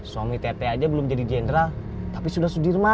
suami teteh aja belum jadi general tapi sudah sudirman